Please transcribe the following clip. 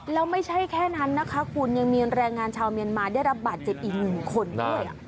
แล้วไม่ใช่แค่นั้นนะคะคุณยังมีแรงงานชาวเมียนมาได้รับบาดเจ็บอีกหนึ่งคนด้วย